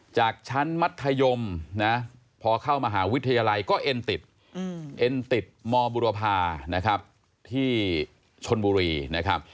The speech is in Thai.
จากชั้นมัธยมนะพอเข้ามหาวิทยาลัยก็เอ็นติดเอ็นติดมบุรพานะครับที่ชนบุรีนะครับ